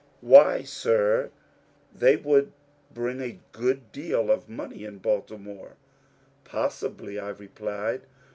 "Why, sir, they would bring a good deal of money in Baltimore." " Possibly," I replied.